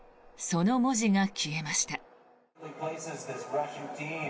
その文字が消えました。